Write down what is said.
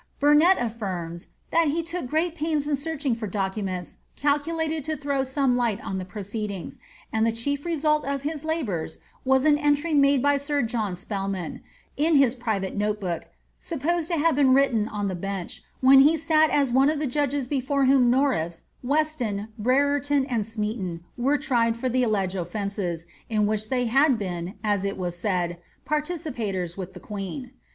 Burnet affiitei that he took great pains in searching for documents calculated to throw some light on the proceedings, and the chief result of his labours was an entry made by sir John Spelman, in his private note book, supposed to have been written on the bench, when he sat as one of the judges before whom Norris, Weston, Brereton, and Smeaton, were tried for the alleged offences in wliich they had been, as it was said, participators with the queen.